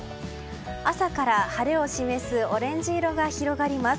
朝から晴れを示すオレンジ色が広がります。